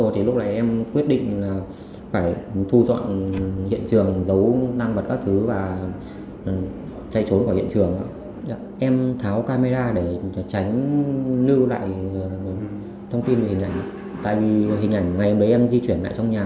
tại vì hình ảnh ngày hôm đấy em di chuyển lại trong nhà